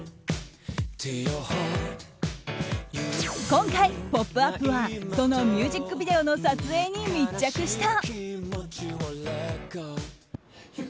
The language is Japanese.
今回「ポップＵＰ！」はそのミュージックビデオの撮影に密着した。